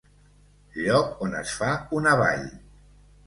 Lloc on es fa una vall.